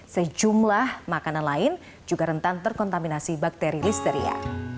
sejumlah makanan lain juga rentan terkontaminasi bakteri listeria